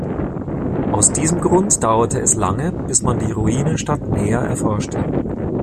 Aus diesem Grund dauerte es lange, bis man die Ruinenstadt näher erforschte.